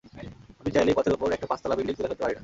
আমি চাইলেই পথের ওপর একটা পাঁচতলা বিল্ডিং তুলে ফেলতে পারি না।